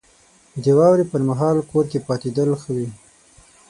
• د واورې پر مهال کور کې پاتېدل ښه وي.